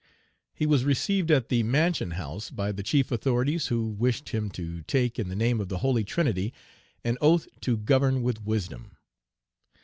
He was received at the mansion house by the chief authorities, who wished him to take, in the name of the Holy Trinity, an oath to govern with wisdom.